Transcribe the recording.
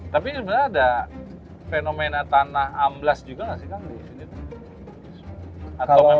tapi sebenarnya ada fenomena tanah amblas juga nggak sih kang di sini